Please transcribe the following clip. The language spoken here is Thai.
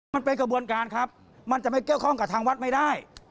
มันเป็นกระบวนการครับมันจะไม่เกี่ยวข้องกับทางวัดไม่ได้